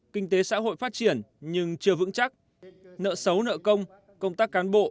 kinh tế xã hội phát triển nhưng chưa vững chắc nợ xấu nợ công công tác cán bộ